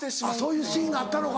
そういうシーンがあったのか。